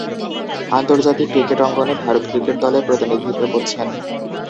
আন্তর্জাতিক ক্রিকেট অঙ্গনে ভারত ক্রিকেট দলের প্রতিনিধিত্ব করছেন।